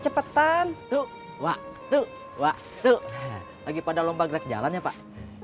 cepetan tuh waktu waktu lagi pada lomba gerak jalan ya pak